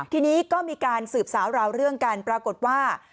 ทีนี้ก็มีการสืบสาวราวเรื่องกันปรากฏว่า